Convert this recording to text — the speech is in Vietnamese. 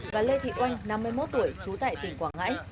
và lê thị oanh năm mươi một tuổi trú tại tỉnh quảng ngãi